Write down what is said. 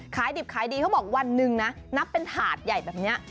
ขายดิบขายดีเขาบอกวันหนึ่งนะนับเป็นถาดใหญ่แบบนี้